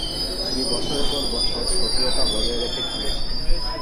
তিনি বছরের পর বছর স্বকীয়তা বজায় রেখে খেলেছিলেন।